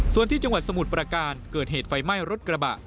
ส่วนที่จังหวัดสมุทรประการเกิดเหตุไฟไหม้รถกระบะ